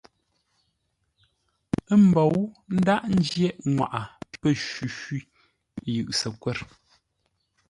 Ə́ mbǒu ndághʼ ńjyeʼ ŋwaʼa pə́ shwi-shwî yʉ Səkwə̂r.